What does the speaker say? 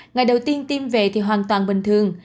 ngày đầu tiên tiêm về thì hoàn toàn bình thường